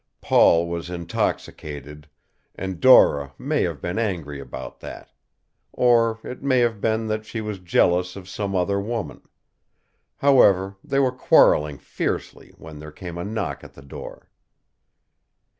Paul was intoxicated, and Dora may have been angry about that. Or it may have been that she was jealous of some other woman. However, they were quarreling fiercely when there came a knock at the door.